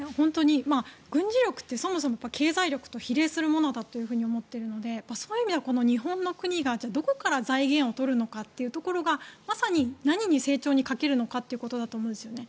軍事力ってそもそも経済力と比例するものだと思っているのでそういう意味では日本がどこから財源を取るのかというところがまさに何に、成長にかけるのかってことだと思うんですよね。